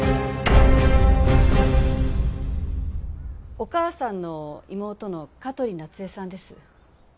お義母さんの妹の香取夏江さんです。